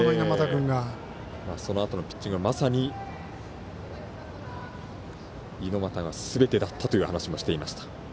そのあとのピッチングはまさに猪俣がすべてだったという話もしていました。